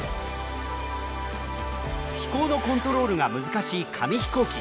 飛行のコントロールが難しい紙飛行機。